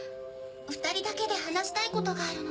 ２人だけで話したいことがあるの。